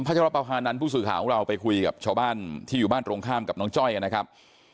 เจ้าเจ้าเป็นพระเจ้าประพาณานผู้สื่อข่าวของเราไปคุยกับชาวบ้านที่อยู่บ้านตรงข้ามกับน้องจ้อยนะครับ